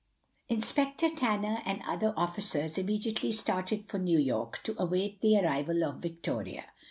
Inspector Tanner and other officers immediately started for New York, to await the arrival of Victoria.